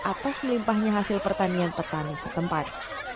atas melimpahnya hasil pertanian petani setempat